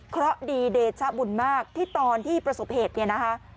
เพราะดีเดชะบุญมากที่ตอนที่ประสบเหตุเนี่ยนะคะ